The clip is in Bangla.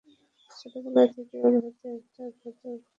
ছোটবেলা থেকেই ওর হাতে একটা ধাতব চাকতি আছে।